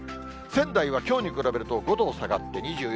仙台はきょうに比べると５度も下がって２４度。